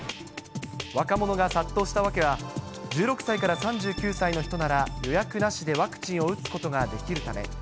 若者が殺到した訳は、１６歳から３９歳の人なら予約なしでワクチンを打つことができるため。